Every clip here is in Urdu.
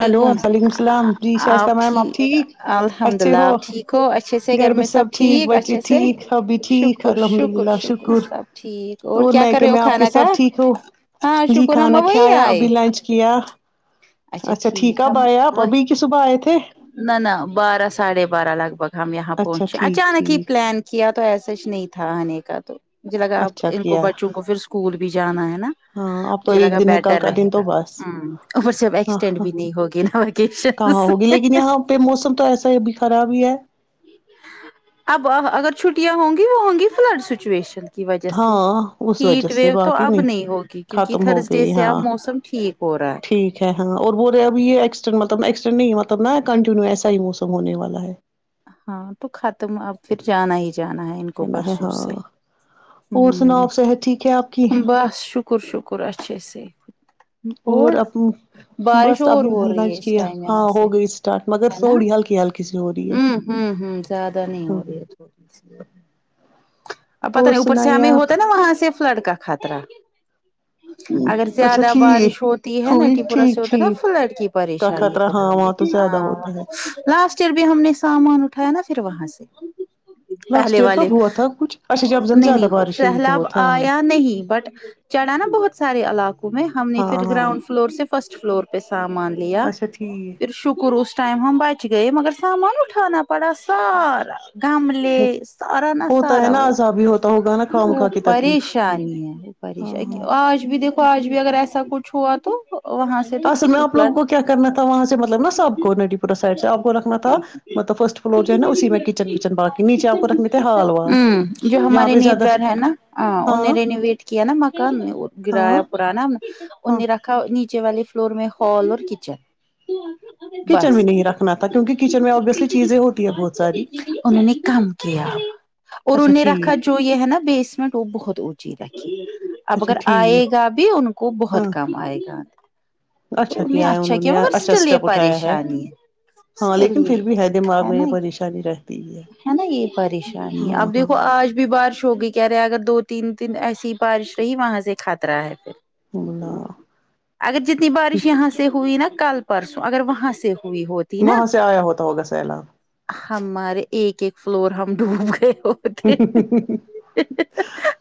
ہیلو وعلیکم السلام جی شائستہ میم آپ ٹھیک الحمد اچھے اللہ ہو آپ ٹھیک ہو اچھے سے گھر میں سب ٹھیک بچے اچھے سے ٹھیک ہم بھی ٹھیک شکر الحمد شکر اللہ شکر سب ٹھیک اور کیا کر میکے رہے ہو میں آپ کے کھانا سب کھایا ٹھیک ہو ہاں جی شکر ہم کھانا وہی کھایا آئے ابھی لنچ کیا اچھا ٹھیک کب آئے آپ ابھی کی صبح آے نہ نہ بارہ ساڑھے بارہ لگ بھگ ہم یہاں اچھا پہنچے ٹھیک اچانک ہی ٹھیک پلان کیا تو ایساچ نہیں تھا آنے کا تو مجھے لگا اب اچھا ان کو کیا بچوں کو پھر اسکول بھی جانا ہے نا ہاں اب تو مجھے ایک لگا دن ہے کل بیٹر کا رہے دن گا تو بس ہوں اور جب ہاں ایکسٹینڈ بھی ہاں نہیں ہوگی نا وکیشن کہاں ہوگی لیکن یہاں پہ موسم تو ایسا ہی ابھی خراب ہی ہے اب اگر چھٹیاں ہوں گی وہ ہوں گی فلڈ سچویشن کی وجہ سے ہاں اس وجہ ہیٹ سے ویو تو باقی اب نہیں ہوگی کیونکہ ختم ہو تھرزڈے گئی سے اب ہاں موسم ٹھیک ہو رہا ہے ٹھیک ہاں اور بول رہے اب یہ ایکسٹند مطلب ایکسٹنڈ نہیں مطلب نا کنٹینو ایسا ہی موسم ہونے والا ہے ہاں تو ختم اب پھر جانا ہی جانا ہے ان کو کہنا ہے پرسوں ہاں سے اور سناؤ ہوں آپ صحت ٹھیک ہے آپ کی بس شک کر شکر اچھے سے اور اپنی بارش بس اور ابھی ہو رہی ہے لنچ اس کیا ٹائم ہاں یہاں ہو سے گئی اسٹارٹ مگر تھوڑی ہلکی ہل ہمم ہوں ہوں زیادہ نہیں ہوں ہو رہی تھوڑی سی ا پتہ اور نہیں اوپر سے سنائیے ہمیں آپ ہوتا ہے نا وہاں سے فلڈ کا خطرہ اگر اچھا زیادہ ٹھیک بارش ہوتی ہے ہوئی ناٹی پورا سے ٹھیک ہوتا ہے نا ٹھیک فلٹ کی کا پریشانی خطرہ پھر ہاں ہم وہاں تو زیادہ ہاں ہوتا ہے لاسٹ ایئر بھی ہم نے سامان اٹھایا نا پھر وہاں سے لاسٹ پہلے ایئر والے کب ہوا تھا کچھ اچھا جب جم نہیں زیادہ نہیں ہو بارش ہوئی سہلاب بہت ہاں آیا نہیں بٹ چڑھا نا بہت سارے علاقوں میں ہم نے ہاں پھر ہاں گراؤنڈ فلور سے فسٹ فلور پہ سامان لیا اچھا پھر ٹھیک شکر اس ٹائم ہم بچ گئے مگر سامان اٹھانہ پڑا سارا گملے سارا نہ سارا ہو ابھی ہوتا ہوگا نا خام وہ خواہ کی تکلیف پریشانی ہے وہ ہاں پریشانی ہاں آج بھی دیکھو آج بھی اگر ایسا کچھ ہوا تو وہاں سے تو اصل میں آپ فلڈ لوگوں ہوں کو کیا کرنا تھا وہاں سے مطلب نا سب کو نڈی پورہ سائڈ سے آپ کو رکھنا تھا مطلب فرسٹ فلور جو ہے نا اسی میں کچن وچن باقی نیچے آپ کو رکھنے تھے ہال والا یہاں پہ زیادہ گھر ہے نہ ہاں ان رینوویٹ کیا نا مکان ہاں گرایا پرانا ہاں اننی رکھ نیچے والے فلور میں ہال اور کچن کچن بھی بس نہیں رکھنا تھا کیونکہ کچن میں ابویسلی چیزیں ہوتی ہے بہت ساری ان ہونے کم کیا اور ان اچھا نے رکھا ٹھیک جو یہ ہے نا بیسمنٹ وہ بہت اونچی رکھی اب اچھا اگر ٹھیک آئے گا بھی ان کو بہت ہاں کام آئے گا تو اچھا انہیں کیا ہے انہوں نے مگر اچھا اسٹل یہ اسٹپ اٹھایا ہے پریشانی ہاں اسٹل لیکن یہ پھر بھی ہے دماغ میں یہ پریشانی رہے ہے نا یہ پریشانی ہے اب ہاں دیکھو آج بھی بارش ہوگی کہہ رہے ہیں اگر دو تین دن ایسی ہی بارش رہی وہاں سے خطرہ ہے پھر اللہ اگر جتنی بارش یہاں سے ہوئی نا کل پرسوں اگر وہاں سے ہوئی ہو وہاں سے آیا ہوتا ہوگا سیلاب ہمارے ایک ایک فلور ہم ڈوب گئے ہو سیلاب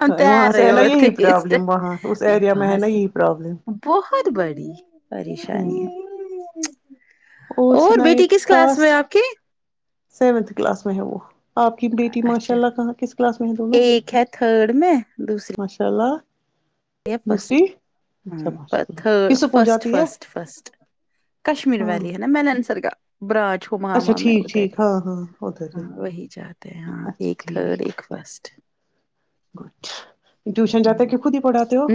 ہم تیر وہاں سے رہے ہے نا ہوتے یہی اس پرابلم وہاں اس ایریا میں ہے وہاں نا سے یہی پرابلم بہت بڑی ہوں پریشانی اور سنائیے بیٹی کچھ کس کلاس خاص میں ہے آپ کی سیونتھ کلاس میں ہے وہ آپ کی بیٹی ماشاء اچھا اللہ کہاں کس کلاس میں ہے ایک ہے تھرڈ میں دوسری ماشااللہ اچھا ہ ماشاء اللہ تھ کس اسکول فسٹ جاتی ہے فسٹ فسٹ کشمیر ہاں والی ہے نا میں نےسر کا برانچ جھومکا [unintelligible] اچھا وہاں میں ٹھیک ادھر ٹھیک ہی ہاں ہاں ادھر ہی ہاں وہی جاتے ہیں ہاں اچھا ایک تھرڈ ایک فرسٹ اچھا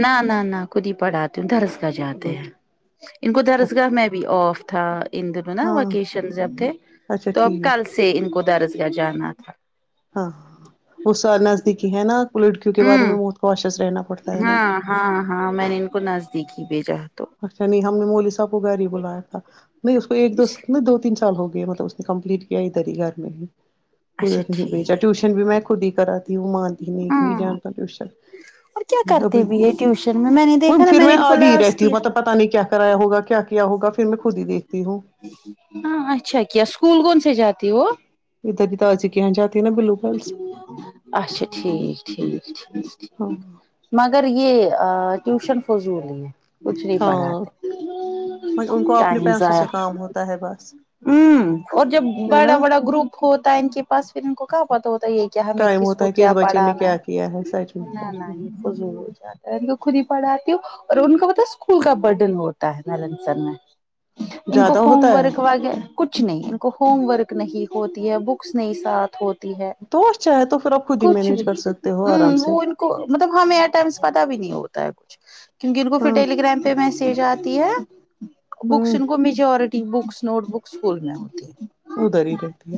نہ نہ نہ خود ہی پڑھاتے ہوں درسگاہ جاتے گڈ ہیں ان کو درسگاہ اچھا میں بھی آف تھا ان دنوں نا ہاں وکیشن جب تھے اچھا تو اب ٹھیک کل سے سے ان کو درسگاہ جانا تھا ہاں وہ سر نزدیکی ہے نا لڑکیوں کے بارے ہمم میں بہت کوشس رہنا پڑتا ہے نا ہاں ہاں ہاں میں نے ان کو نزدیک ہی بھیجا تو اچھا نہیں ہم نے مولس گھر ہی بلایا تھا نہیں اس کو ایک دو نہیں دو تین سال ہو گئے مطلب اس نے کمپلیٹ کیا ادھر ہی گھر میں ہی اچھا ادھر نہیں بھیجا ٹھیک ٹیوشن بھی میں خود ہی کرا وہ مانتی نہیں کہی ہاں جانتا ٹیوشن اور کیا ب کرتے بھی ہے ٹیوشن میں میں نے وہ دیکھا نا پھر نے میں ان کو آدی ہی لاسٹ رہتی ہوں ایئر مطلب پتا نہیں کیا کرایا ہوگا کیا کیا ہوگا پھر میں خود ہی دیکھتی ہوں ہاں اچھا کیا اسکول کون سے جاتی وہ ادری ہی تاجی اچھا ٹھیک ٹھیک ٹھیک ہاں مگر یہ ٹیوشن فضول ہی ہے کچھ نہیں ہاں پڑھاتے ان کو اپنے ٹائم پیسوں ضایع سے کام ہوتا ہے بس ہوں اور جب ہے بڑا نا بڑا گروپ ہوتا ہے ان کے پاس پھر ان کو کہاں پتہ ہوتا ہے یہ کیا ہمیں ٹائم کس ہوتا کو ہے کہ اس کیا بچے نے پڑھانا کیا ہے سچ میں نہ سچ نہ میں یہ فضول کو خود ہی پڑھاتی ہوں اور ان کا پتا اسکول کا برڈن ہوتا ہے نلن سن میں ان کو زیادہ ہوتا ہوم ہے ورک کچھ نہیں ان کو ہوم ورک نہیں ہوتی ہے بکس نہیں ساتھ ہوتی ہو تی ہے تو اچھا ہے تو پھر آپ خود ہی کچھ مینج کر بھی سکتے ہو آرام ہ سے وہ ان کو مطلب ہمیں ای ٹائمس پتہ بھی نہیں ہوتا ہے کچھ کیوں کے ان کو پھر ہاں ٹیلی گرام پہ م سگے جاتی ہے بکس ہوں ان کو majority books note book school میں ہوتی ہے ادھر ہی رہتی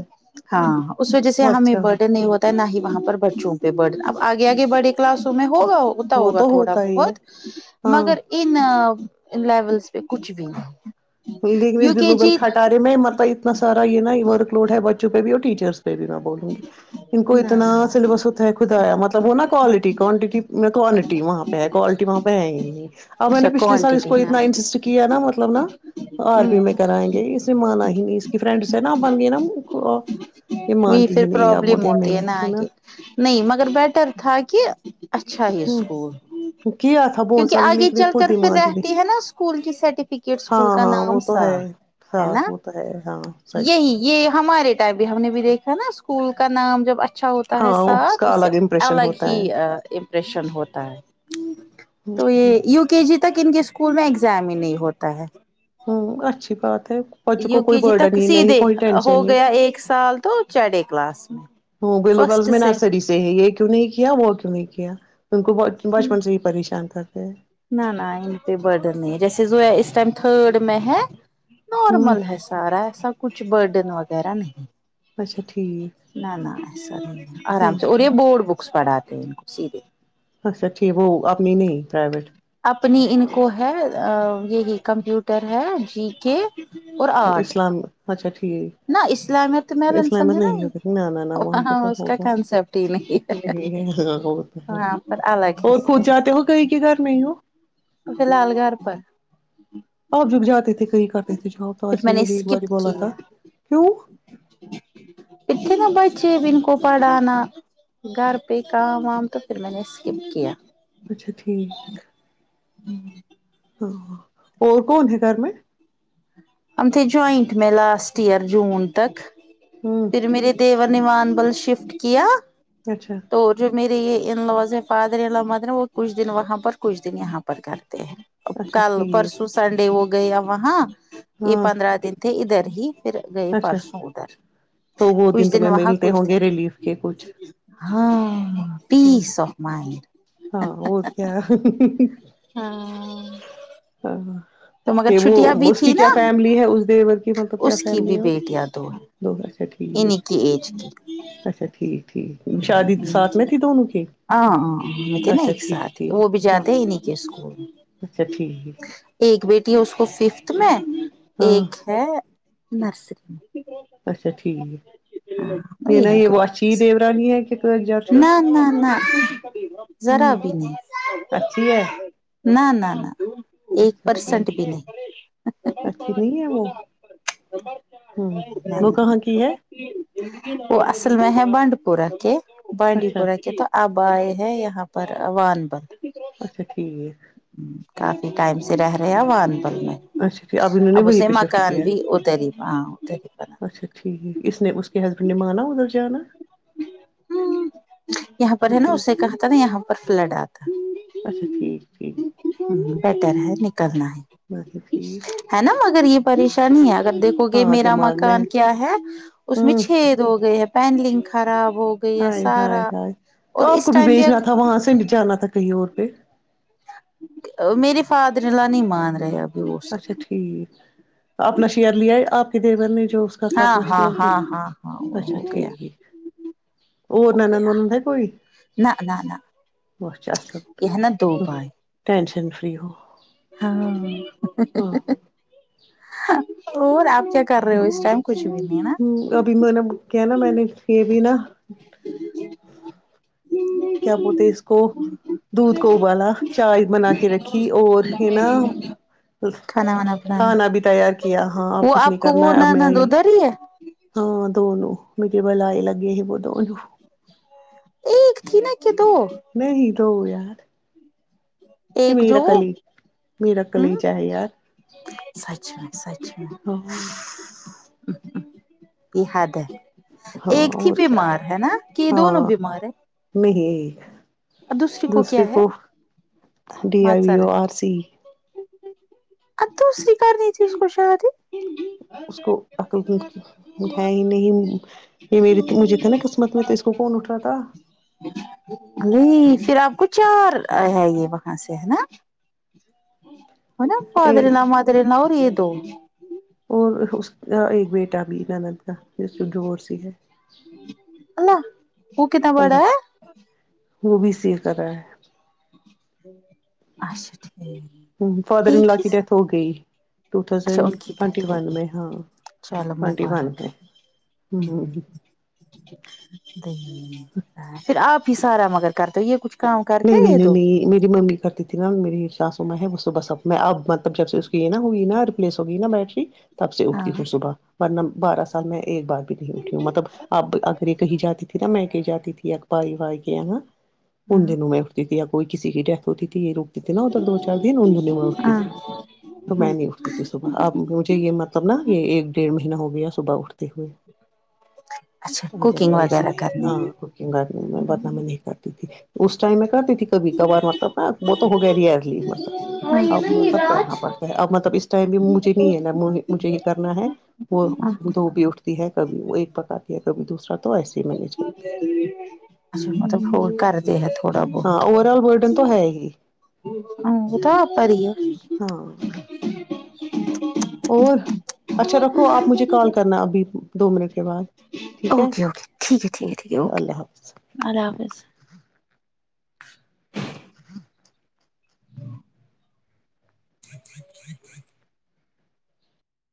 ہاں اس وجہ سے ہے ہمیں اچھا برٹن نہیں ہوتا نہ ہی وہاں پر بچوں پہ برڈن اب آگے آگے بڑے کلاسوں میں ہوگا ہو ہوتا وہ ہوگا تو تھوڑا ہوتا ہی ہے بہت ہاں مگر ان لیولس پہ کچھ بھی نہیں نگوز یو کے باللو بل جی کٹارے میں مطلب اتنا سارا یہ نا ورک لوڈ ہے بچوں پہ بھی اور ٹیچرس پہ بھی نہ بولوں گی ان کو نہ اتنا نہ سلیبس ہوتا ہے خدایا مطلب وہ نا کوالٹی کوانٹٹی میں کوانٹی وہاں پہ ہے کوالٹی وہاں پہ ہے ہی نہیں اب میں اچھا نے پچھلے سال اس کو کوانٹٹی نہ اتنا انسسٹ کیا نا مطلب نا آر پی میں کرائیں گے اس مانا ہی نہیں اس کی فرینڈ سے ہے نا بند گے نا یہ وہ مانتی ہی پھر نہیں آپ پرابلم بولتے ہیں میں ہوتی ہے نے نا آگے نہیں مگر بیٹر تھا کہ اچھا ہے ہ اسکول کیا تھا بہت کیونکہ ساری آگے لیکن چل خود کر ہی پھر مانتی نہیں رہتے ہیں نا اسکول کی سرٹیفکیٹس اسکول ہاں کا ہاں وہ نام تو سا ہے ساتھ ہو تا ہے ہاں سچ یہ ہمارے ٹائپ بھی ہم نے بھی دیکھا نا اسکول کا نام جب اچھا ہوتا تاہ ہاں ساتھ کا اس سے الگ امپریشن الگ ہوتا ہی ہے رشن ہوتا ہے تو ہ یہ یوگ کے جی تک ان کے اسکول میں ایگزام ہی نہیں ہوتا ہے ہوں اچھی بات ہے بچوں یو کو کوئی کی جی تک برڈن ہی نہیں سیدھے کوئی ہو ٹینشن نہیں گیا ایک سال تو چیڈے کلاس میں ہ گلوبل میں نرسری سے ہے یہ کیوں نہیں کیا وہ کیوں نہیں کیا ان کو بچپن سے ہی پریشان تھا آے نہ نہ ان پہ برڈن نہیں جیسے زویا اس ٹائم تھرڈ میں ہے ہ نارمل ہے سب سارا ایسا کچھ برڈن وغیرہ نہیں اچھا ٹھیک نہ نہ ایسا نہیں ہاں آرام سے اور یہ بورڈ بکس پڑھاتے ان کو سیدھے اچھا ٹھیک وہ اپنی نہیں پرائیوٹ اپنی ان کو ہے یہی کمپیوٹر ہے جی کے اور وہ آرٹ اسلام اچھا ٹھیک ہے نہ اسلامیہ تو میرسند ہے نا ہی نہ نہ نہ پہ وہاں تو اس کا ہوگا کنسپٹ ہی نہیں ہے نہیں ہاں وہ تو ہے وہاں پر الگ اور حصہ کود جاتے ہو کہیں کے گھر نہیں ہو فل لال گھر پر آپ جک جاتے تھے کہی کرتے تھے جواب تو پھر آجی میں نے مجھے ایک بار اسکپ بولا تھا کیا کیوں [inaudible] اتنے بچے ان انکو پاڑا نا گھر پہ کام وام تو پھر میں نے ا سکپ کیا اچھا ٹھیک ہوں ہاں اور کون ہے گھر میں ہم تھے جوائنٹ میں لاسٹ ایئر جون تک ہوں پھر میرے دیور نے وان بل شفٹ کیا اچھا تو جو میرے یہ ان لوز ہیں فادر ان لاؤ مدر ہیں وہ کچھ دن وہاں پر کچھ دن یہاں پر کرتے ہیں اچھا کل ٹھیک پرسو سنڈے ہو گیا وہاں یہ ہاں پندرہ دن تھے ادھر ہی پھر گئے اچھا پرسوں ادھر تو وہ کچھ دن تمہیں وہاں ملتے کچھ ہوں گے ریلیف کے دن کچھ ہاں ہاں پیس آف مائنڈ ہاں اور کیا ہاں ہاں تو مگر یہ چھٹیاں وہ بھی اس تھی کی کیا نا فیملی ہے اس دیور کی مطلب کیا اس کی فیملی بھی بیٹیاں ہیں دو اچھا انہیں کی ایج کی ٹھیک اچھا ٹھیک ٹھیک شادی ساتھ میں تھی دونوں کی ہاں ہاں ہم ت نا اچھا ایک ٹھیک ساتھ ٹھیک وہ بھی ہاں جاتے ہیں انہیں کے اسکول میں اچھا ٹھیک ایک بیٹی ہے اس کو ففتھ میں ہاں ایک ہے نرسری میں اچھا ٹھیک ہاں یہ نا یہی یہ گروپ واچ شی دیورانی ہے کہ قک جار چس نہ نہ نہ ہوں ذرا بھی نہیں اچھی ہے نہ نہ نہ ایک اچھا ٹھیک پرسینٹ بھی نہیں اچھی نہیں ہے وہ ہوں نہ وہ نہ کہاں کی ہے وہ اصل میں ہے بانڈی پورہ کے بانڈی اچھا پورہ کے تو اب آئے ہیں یہاں پر عان بل اچھا ٹھیک کافی ٹائم سے رہ رہے وانپل میں اچھا ٹھیک انہوں نے اب اسے وہیں پہ شفٹ ماکان کیا بھی ادھر ہی ہاں ادھر ہی بنا ہے اچھا ٹھیک ہے اس نے اس کے ہسبینڈ نے مانا ادھر جانا یہاں پر ہے اچھا ناں ٹھیک اسے کہا تھا ناں یہاں پر فلڈ آتا اچھا ٹھیک ٹھیک بیٹر ہے نکلنا ہے اچھا ٹھیک ہے ناں مگر یہ پریشانی ہے اگر دیکھو گے ہاں میرا دماغ میں مکان کیا ہے اس ہ میں چھ ہوگئے ہے پین لنگ خراب ہوگ ہائے ہائے ہائے تو آپ کو بھی بھیجنا تھا وہاں سے جانا تھا کہیں اور پہ میرے فادر انلاء نہیں مان رہے ابھی اس اچھا ٹھیک اپنا شئر لیا ہے آپ کے دیور نے جو ہاں اپنا ہاں شئیر ہاں ہاں ہاں وہ ہو اچھا گیا ٹھیک اور ہو نند گیا ونند ہے کوئی نہ نہ نہ بہت اچھا یہ نا دو ہے بھائی ٹینشن فری ہو ہاں ہاں اور آپ کیا کر رہے ہو اس ٹائم کچھ بھی نہیں ناں ابھی میں نے کیا ناں میں نے یہ بھی ناں [unintelligible] کیا بولتے اس کو دودھ کو ابالا چائے بنا کے رکھی اور ہے ناں کھانا وانا بنایا کھانا بھی تیار کیا ہاں اب وہ کچھ آپ نہیں کو کرنا وہ ہے اب نہ میں نند آئی ادھر ہی ہے ہاں دونوں میرے بلائے لگے ہے وہ دونوں ایک کی ناں کہ دو نہیں تو یار یہ ایک میرا جو کلی میرا ہوں کلیجا ہے یار سچ میں سچ میں ہاں یہ حد ہے ہاں ایک ہی اور کیا بیمار ہے ناں کہ دونوں بیمار ہے میں ہی ایک اور دوسری دوسرے کیا ہے کو ڈی آئی وی ماتسر او ہے آر سی اب دوسری کرنی تھی اس کو شادی اس کو عقل کی ہے ہی نہیں یہ میری مجھے تھا نا قسمت میں تو اس کو کون اٹھاتا [unintelligible] نہیں پھر آپ کو چار ہے یہ وہاں سے ہے ناں ان ہے ناں فادر تھا انلاء مادر انلاء اور یہ دو اور اس کا ایک بیٹا بھی نند کا جس کو ڈوورس ہوئی ہے اللہ او کتنا بڑا ہے اللہ وہ بھی سیکھ رہا ہے اچھا ٹھیک ہوں فادر انلاء ایک ہی کی ڈیتھ ہوگئی ٹو اچھا تھاؤزنڈ ان کی ٹوونٹی ڈیتھ ہو ون گئی میں ہاں چلو ٹوونٹی ون مبارک میں ہ [unintelligible] پھر آپ ہی سارا مگر کرتے ہو یہ کچھ کام کرتے نہیں نہیں یہ نہیں دو نہیں میری ممی کرتی ناں میری ساسوں ماں ہے بس اب میں اب مطلب جب سے اس کی ناں ہوگئی ناں ریپلیس ہوگئی ناں بیٹری تب سے اٹھتی ہاں ہوں صبح ورنہ بارہ سال میں ایک بار بھی نہیں اٹھی ہوں مطلب اب اگر یہ کہی جاتی تھی ناں میں کہیں جاتی تھی بائی وائی کے یہاں ناں ہاں دن میں اٹھتی تھی کوئی کسی کی ڈیتھ ہوتی تھی یہ لوگ تھی ناں ادھر دو چار دن ان دنوں میں اٹھتی ہاں تھی تو میں نہیں اٹھتی تھی صبح آپ مجھے یہ مطلب ناں یہ ایک ڈیڑ مہینہ ہو گیا صبح اٹھ تے ہوئے اچھا ادر کوکنگ وائز وغیرہ نہیں کرنے ہاں میں بدنام نہیں کرتی تھی اس ٹائم میں کرتی تھی کہ کبھی کبھار مطلب نا وہ تو ہو گیا رہی ہے یرلی مطلب اب مطلب کرنا پڑتا اب مطلب اس ٹائم بھی مجھے نہیں ہے نا مجھے یہ کرنا ہے وہ دو بھی اٹھتی ہے کبھی وہ ایک پکاتی ہے کبھی دوسرا تو ایسے ہی مینج کرتے ہیں اچھا مطلب بہت کرتے ہیں تھوڑا ہاں اوور آل بولڈن تو ہے ہی ہمم وہ ٹاپ پر ہی ہے ہاں اور اچھا رکھو آپ مجھے کال کرنا ابھی دو منٹ کے بعد ٹھیک ہے اوکے اوکے ٹھیک ہے ٹھیک ہے ٹھیک ہے اوکے اللہ حافظ اللہ حافظ